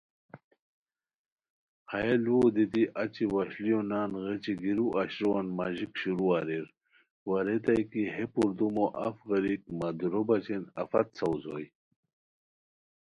ہیہُ لوؤ دیتی اچی وشلیو نان غیچی گیرو اشرووان ماژیک شروع اریر وا ریتائے کی ہے پردومو اف غیریک مہ دُورو بچین آفت ساؤز ہوئے